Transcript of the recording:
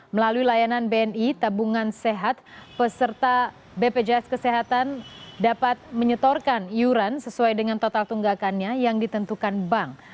melalui layanan bni tabungan sehat peserta bpjs kesehatan dapat menyetorkan iuran sesuai dengan total tunggakannya yang ditentukan bank